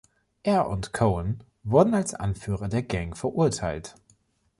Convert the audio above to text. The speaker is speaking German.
Er und Cohen wurden als Anführer der Gang verurteilt.